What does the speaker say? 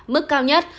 mức cao nhất